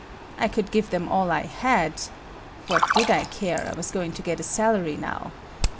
I could give them all I had;—what did I care, I was going to get a salary now.